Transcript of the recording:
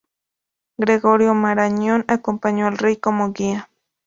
Gregorio Marañón acompañó al rey como guía.